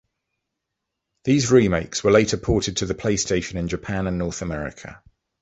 These remakes were later ported to the PlayStation in Japan and North America.